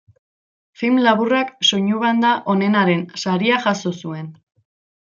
Film laburrak soinu-banda onenaren saria jaso zuen.